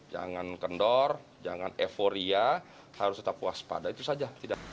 jangan kendor jangan euforia harus tetap waspada itu saja